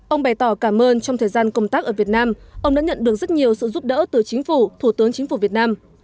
ông bày tỏ cảm ơn trong thời gian công tác ở việt nam ông đã nhận được rất nhiều sự giúp đỡ từ chính phủ thủ tướng chính phủ việt nam